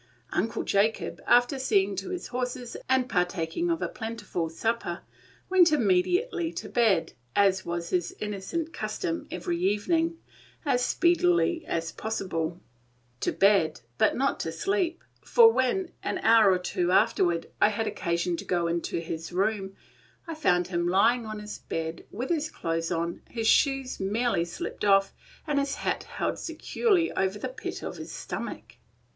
Uncle Jacob, after seeing to his horses, and partaking of a plentiful supper, went immediately to bed, as was his innocent custom every evening, as speedily as possible. To bed, but not to sleep, for when, an hour or two afterward, I had occasion to go into his room, I found him lying on his bed with his clothes on, his shoes merely slipped off, and his hat held securely over the pit of his stomach.